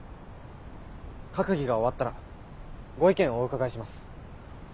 閣議が終わったらご意見をお伺いします。